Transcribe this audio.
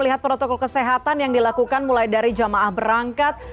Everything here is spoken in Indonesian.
lihat protokol kesehatan yang dilakukan mulai dari jamaah berangkat